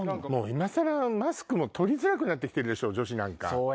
今更マスクも取りづらくなってきてるでしょ女子なんか。